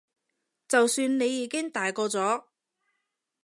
就算你已經大個咗